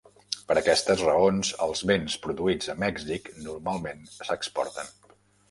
Per aquestes raons, els béns produïts a Mèxic normalment s'exporten.